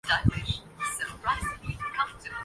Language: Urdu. گاڑی احتیاط سے چلاؤ! آگے سڑکیں ناقابل اعتبار ہیں۔